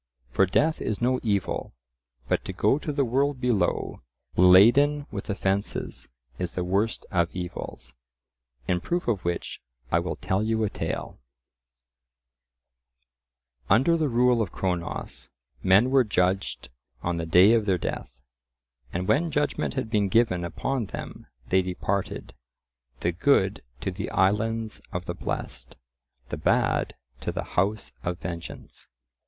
For death is no evil, but to go to the world below laden with offences is the worst of evils. In proof of which I will tell you a tale:— Under the rule of Cronos, men were judged on the day of their death, and when judgment had been given upon them they departed—the good to the islands of the blest, the bad to the house of vengeance.